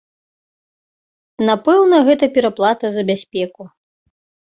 Напэўна, гэта пераплата за бяспеку.